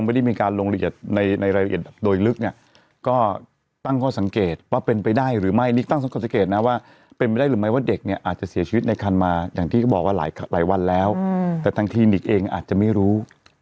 ไม่ได้มีการลงละเอียดในรายละเอียดโดยลึกเนี่ยก็ตั้งข้อสังเกตว่าเป็นไปได้หรือไม่นี่ตั้งสังเกตนะว่าเป็นไปได้หรือไม่ว่าเด็กเนี่ยอาจจะเสียชีวิตในคันมาอย่างที่บอกว่าหลายวันแล้วแต่ทางคลินิกเองอาจจะไม่รู้